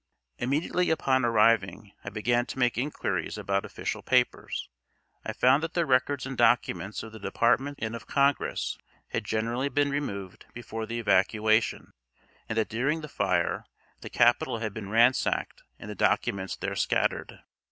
Immediately upon arriving I began to make inquiries about official papers. I found that the records and documents of the departments and of Congress had generally been removed before the evacuation, and that during the fire the Capitol had been ransacked and the documents there scattered.